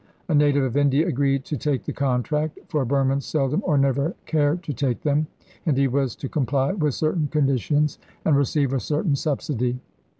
A native of India agreed to take the contract for Burmans seldom or never care to take them and he was to comply with certain conditions and receive a certain subsidy.